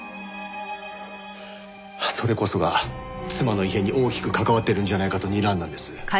それこそが妻の異変に大きく関わってるんじゃないかとにらんだんです。